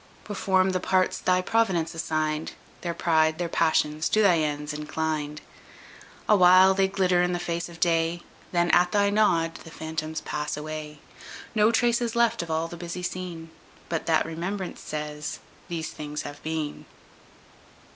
Perform the parts thy providence assign'd, Their pride, their passions, to thy ends inclin'd: Awhile they glitter in the face of day, Then at thy nod the phantoms pass away; No traces left of all the busy scene, But that remembrance says _The things have been!